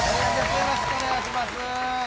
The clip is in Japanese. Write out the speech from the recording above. よろしくお願いします。